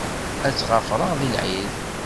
Ad tt-ɣafṛeɣ di lɛid.